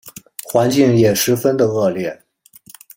环境也十分的恶劣